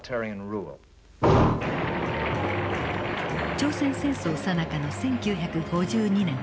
朝鮮戦争さなかの１９５２年。